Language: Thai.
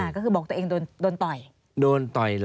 ก็คือบอกตัวเองโดนต่อย